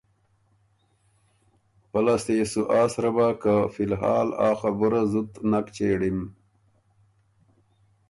پۀ لاسته يې سو آ سرۀ بۀ که فی الحال ا خبُره زُت نک چېړِم۔